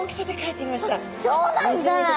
そうなんだ！